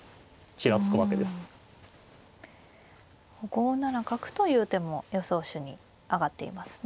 ５七角という手も予想手に挙がっていますね。